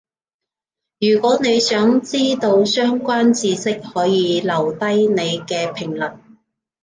如果你想知到相關智識，可以留低你嘅評論